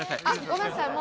ごめんなさい。